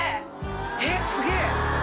えっすげぇ。